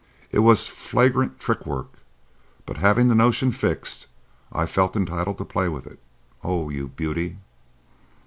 It was flagrant trick work; but, having the notion fixed, I felt entitled to play with it,—Oh, you beauty!"